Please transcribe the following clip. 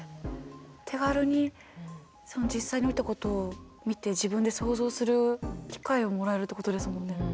手軽に実際に起きたことを見て自分で想像する機会をもらえるってことですもんね。